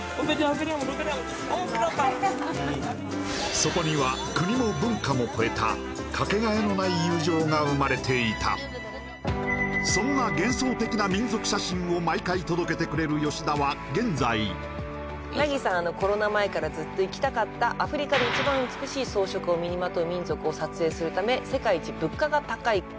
そこには国も文化も超えたかけがえのない友情が生まれていたそんな幻想的な民族写真を毎回届けてくれるナギさんあのコロナ前からずっと行きたかったアフリカで一番美しい装飾を身にまとう民族を撮影するため世界一物価が高い国